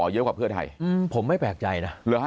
เยอะกว่าเพื่อไทยผมไม่แปลกใจนะ